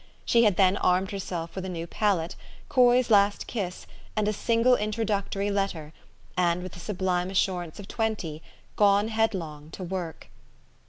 She had then armed herself with a new palette, Coy's last kiss, and a single introductory letter, and, with the sublime assurance of twenty, gone headlong to work.